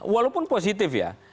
walaupun positif ya